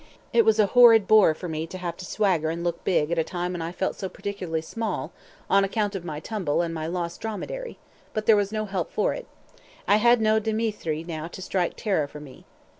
It was a horrid bore for me to have to swagger and look big at a time when I felt so particularly small on account of my tumble and my lost dromedary; but there was no help for it; I had no Dthemetri now to "strike terror" for me.